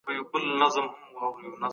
بې عدالتۍ د خلګو باور له منځه وړي.